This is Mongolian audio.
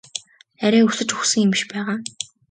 Арай өлсөж үхсэн юм биш байгаа?